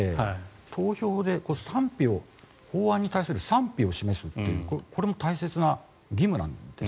投票で法案に対する賛否を示すというのもこれも大切な義務なんです。